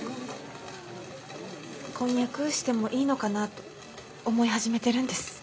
婚約してもいいのかなと思い始めてるんです。